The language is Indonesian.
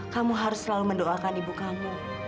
kamu harus selalu mendoakan ibu kamu